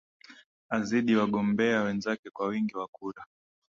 azidi wagombea wenzake kwa wingi wa kura